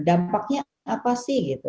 dampaknya apa sih gitu